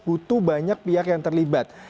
butuh banyak pihak yang terlibat